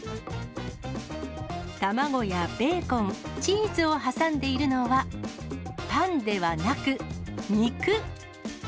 卵やベーコン、チーズを挟んでいるのは、パンではなく、肉。